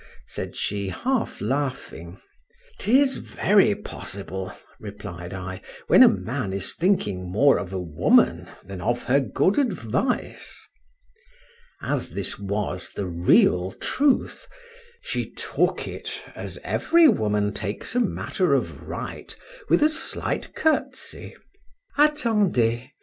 said she, half laughing. 'Tis very possible, replied I, when a man is thinking more of a woman than of her good advice. As this was the real truth—she took it, as every woman takes a matter of right, with a slight curtsey. —Attendez!